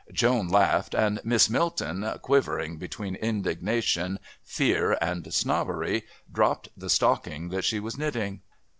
Joan laughed, and Miss Milton, quivering between indignation, fear and snobbery, dropped the stocking that she was knitting.